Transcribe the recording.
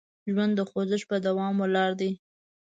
ژوند د خوځښت په دوام ولاړ دی.